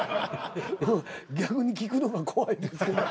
逆に聞くのが怖いですけど。